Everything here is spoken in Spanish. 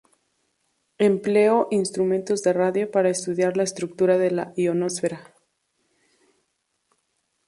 Empleó instrumentos de radio para estudiar la estructura de la ionosfera.